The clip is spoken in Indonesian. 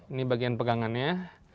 ini bagian pegangannya